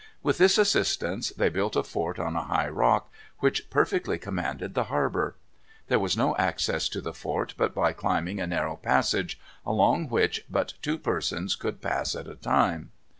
With this assistance they built a fort on a high rock, which perfectly commanded the harbor. There was no access to the fort but by climbing a narrow passage, along which but two persons could pass at a time.